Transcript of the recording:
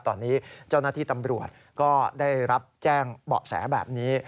ตอนนี้เจ้าหน้าที่ตำรวจก็ได้รับแจ้งเบาะแสแบบนี้